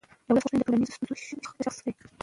د ولس غوښتنې د ټولنیزو ستونزو شاخص دی